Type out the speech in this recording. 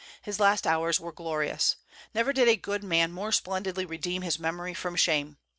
His last hours were glorious. Never did a good man more splendidly redeem his memory from shame.